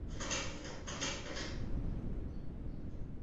圣女贞德说服王太子查理前往兰斯加冕。